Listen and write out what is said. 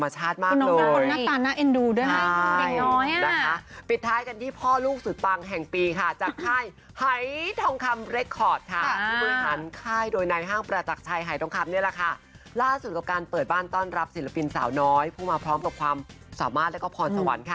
สาวน้อยพึ่งมาพร้อมกับความสามารถและก็พรสวรรค์ค่ะ